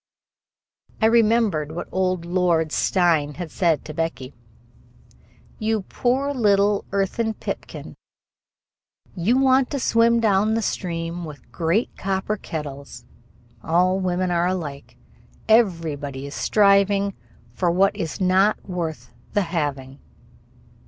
I remembered what old Lord Steyne had said to Becky: "You poor little earthen pipkin. You want to swim down the stream with great copper kettles. All women are alike. Everybody is striving for what is not worth the having."